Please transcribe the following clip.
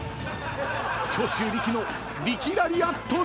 ［長州力の］